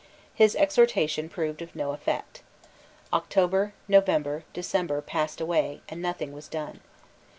His exhortation proved of no effect. October, November, December passed away; and nothing was done.